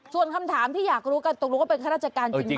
ส่วนคำถามที่อยากรู้กันตกลงว่าเป็นข้าราชการจริงไหม